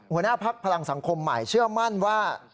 หัวหน้าพักพลังสังคมใหม่เชื่อมั่นว่า